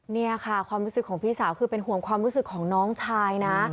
นี่ค่ะความรู้สึกของพี่สาวคือเป็นห่วงความรู้สึกของน้องชายนะ